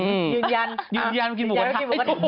ยืนยันยืนยันกินหมูกระทะ